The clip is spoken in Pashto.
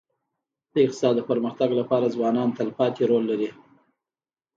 د اقتصاد د پرمختګ لپاره ځوانان تلپاتې رول لري.